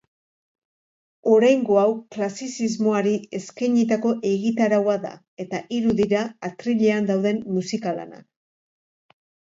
Oraingo hau klasizismoari eskeinitako egitaraua da eta hiru dira atrilean dauden musikalanak.